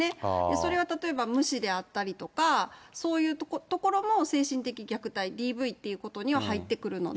それは例えば無視であったりとか、そういうところも精神的虐待、ＤＶということには入ってくるので。